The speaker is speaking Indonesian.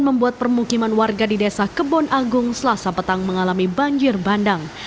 membuat permukiman warga di desa kebon agung selasa petang mengalami banjir bandang